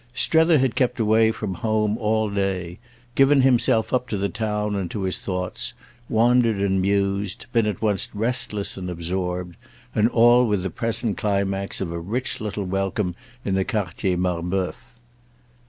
Strether had kept away from home all day, given himself up to the town and to his thoughts, wandered and mused, been at once restless and absorbed—and all with the present climax of a rich little welcome in the Quartier Marbœuf.